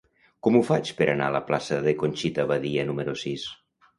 Com ho faig per anar a la plaça de Conxita Badia número sis?